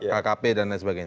kkp dan lain sebagainya